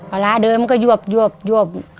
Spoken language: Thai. ปลาร้าเดิมมันก็ยวบ